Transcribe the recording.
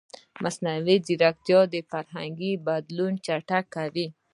مصنوعي ځیرکتیا د فرهنګي بدلون چټکوي.